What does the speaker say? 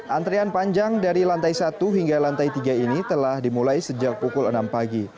antrian panjang dari lantai satu hingga lantai tiga ini telah dimulai sejak pukul enam pagi